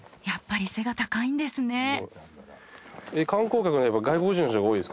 やっぱり背が高いんですね。